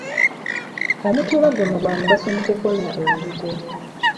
Omutuba guno gwa mugaso mu kukola embugo.